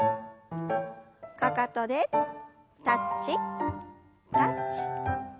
かかとでタッチタッチ。